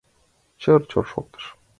Чыр-чор шоктыш.